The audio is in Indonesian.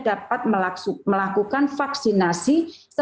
dapat melakukan vaksinasi